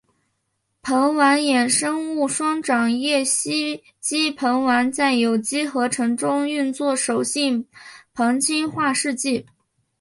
硼烷衍生物双长叶烯基硼烷在有机合成中用作手性硼氢化试剂。